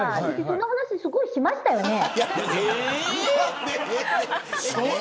その話、すごいしましたよね。